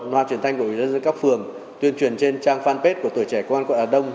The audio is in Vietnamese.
loa truyền thanh của ủy ban dân các phường tuyên truyền trên trang fanpage của tuổi trẻ công an quận hà đông